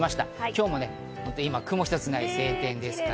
今日も雲一つない晴天です。